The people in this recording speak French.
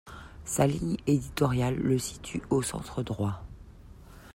Sa ligne éditoriale le situe au centre-droit.